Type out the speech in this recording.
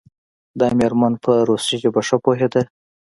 دا میرمن په روسي ژبه ښه پوهیده.